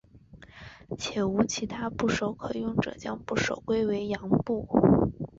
且无其他部首可用者将部首归为羊部。